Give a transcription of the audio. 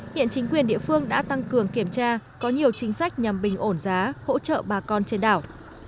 hiện chính quyền địa phương đã tăng cường kiểm tra có nhiều chính sách nhằm bình ổn giá hỗ trợ bà con trên đảo